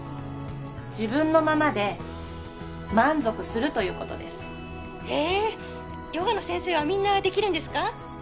自分のままで満足するということですへえーヨガの先生はみんなできるんですか？